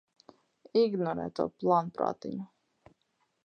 Ignorē to plānprātiņu!